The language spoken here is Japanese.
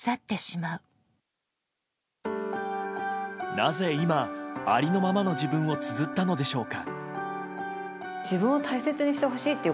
なぜ今、ありのままの自分をつづったのでしょうか。